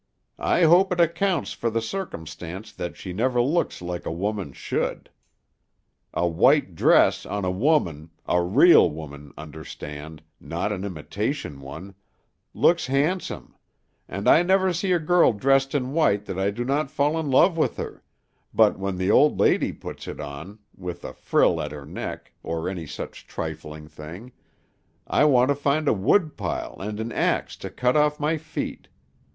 "I hope it accounts for the circumstance that she never looks like a woman should. A white dress on a woman a real woman, understand; not an imitation one looks handsome; and I never see a girl dressed in white that I do not fall in love with her, but when the old lady puts it on, with a frill at her neck, or any such trifling thing, I want to find a woodpile and an axe to cut off my feet.